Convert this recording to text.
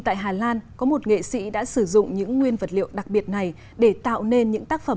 tại hà lan có một nghệ sĩ đã sử dụng những nguyên vật liệu đặc biệt này để tạo nên những tác phẩm